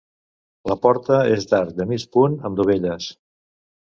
La porta és d'arc de mig punt amb dovelles.